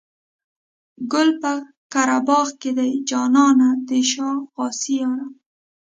ګل پر قره باغ دی جانانه د شا غاسي یاره.